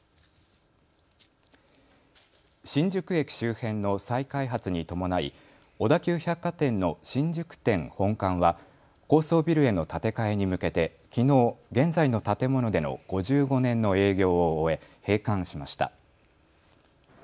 新宿駅周辺の再開発に伴い小田急百貨店の新宿店本館は高層ビルへの建て替えに向けてきのう現在の建物での５５年の営業を終え閉館しました。